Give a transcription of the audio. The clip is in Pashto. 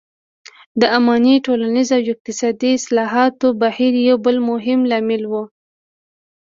د اماني ټولنیز او اقتصادي اصلاحاتو بهیر یو بل مهم لامل و.